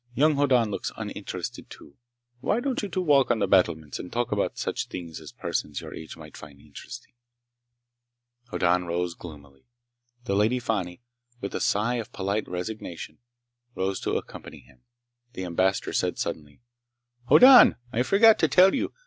Young Hoddan looks uninterested, too. Why don't you two walk on the battlements and talk about such things as persons your age find interesting?" Hoddan rose, gloomily. The Lady Fani, with a sigh of polite resignation, rose to accompany him. The Ambassador said suddenly: "Hoddan! I forgot to tell you!